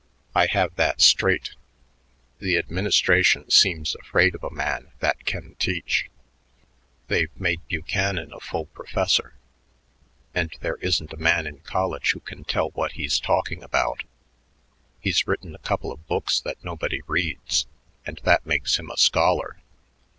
"I have that straight. The administration seems afraid of a man that can teach. They've made Buchanan a full professor, and there isn't a man in college who can tell what he's talking about. He's written a couple of books that nobody reads, and that makes him a scholar.